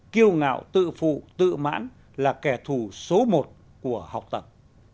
kiêu ngạo tự phụ tự mãn là kẻ thù số một của học tập